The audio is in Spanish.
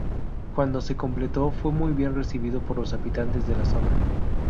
Cuando se completó, Fue muy bien recibido por los habitantes de la zona.